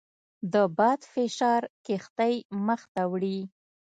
د باد فشار کښتۍ مخ ته وړي.